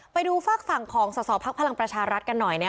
ไปดูฝากฝั่งของสสพลังประชารัฐกันหน่อย